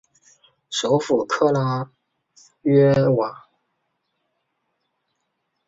首府克拉约瓦。